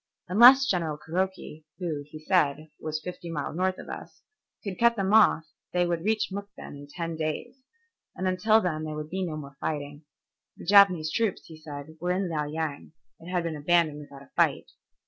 Unless General Kuroki, who, he said, was fifty miles north of us, could cut them off they would reach Mukden in ten days, and until then there would be no more fighting. The Japanese troops, he said, were in Liao Yang, it had been abandoned without a fight.